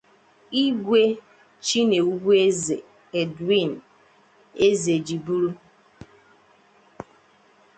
Igwe Chinewubeze Edwin Ezejiburu